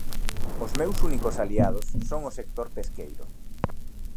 Os meus únicos aliados son o sector pesqueiro.